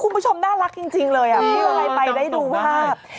คุณผู้ชมน่ารักจริงเลยมีอะไรไปได้ดูภาพ